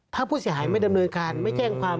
ถ้าผู้เสียหายไม่ดำเนินการไม่แจ้งความ